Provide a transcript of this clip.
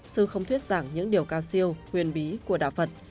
sư không thuyết giảng những điều cao siêu huyền bí của đạo phật